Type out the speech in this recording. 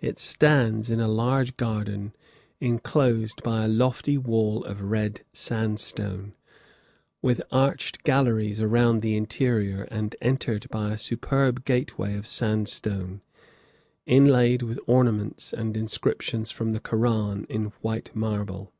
It stands in a large garden, inclosed by a lofty wall of red sandstone, with arched galleries around the interior, and entered by a superb gateway of sandstone, inlaid with ornaments and inscriptions from the Koran in white marble.